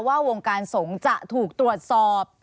ว่าวงการสงสัยจะถูกตรวจสอบ